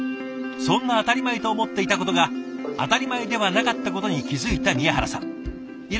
そんな当たり前と思っていたことが当たり前ではなかったことに気付いた宮原さん。